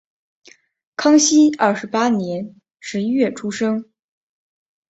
康熙二十八年十一月出生。